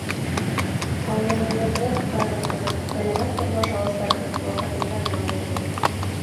Һаулығығыҙҙы ҡайғыртығыҙ, сәләмәт тормош алып барығыҙ, ваҡытында ял итегеҙ.